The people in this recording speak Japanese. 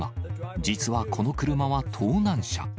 実はこの車は盗難車。